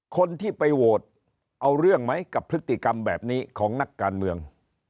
คนที่ไปโหวตเอาเรื่องไหมกับพฤติกรรมแบบนี้ของนักการเมือง